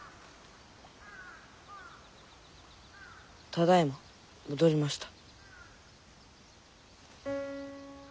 ただいま戻りました。